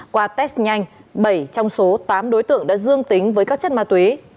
qua test nhanh bảy trong số tám đối tượng đã dương tính với các chất ma túy